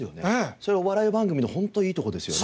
それお笑い番組の本当いいところですよね。